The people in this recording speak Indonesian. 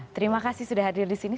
terima kasih sudah hadir disini